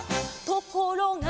「ところが」